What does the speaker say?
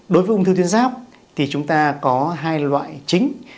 đối với ung thư tuyến ráp thì chúng ta có hai loại chính